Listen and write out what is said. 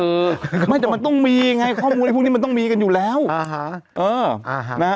เออไม่แต่มันต้องมีไงข้อมูลอะไรพวกนี้มันต้องมีกันอยู่แล้วอ่าฮะเอออ่าฮะ